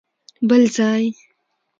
بل ځای؟!